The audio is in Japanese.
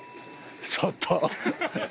ちょっと。